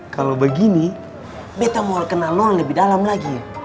kalo begini beta mau kenal nona lebih dalam lagi ya